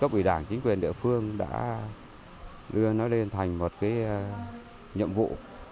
các quý đảng chính quyền địa phương đã đưa nó lên thành một cái nhiệm vụ